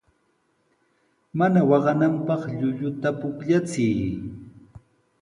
Mana waqananpaq llulluta pukllachiy.